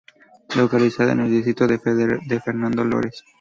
Localizada en el Distrito de Fernando Lores.